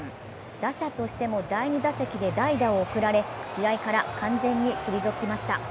打者としても第２打席で代打を送られ試合から完全に退きました。